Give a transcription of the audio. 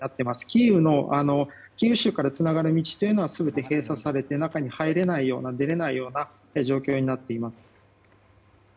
キーウ州からつながる道というのは全て閉鎖されて中に入れないような出られないような状況になっています。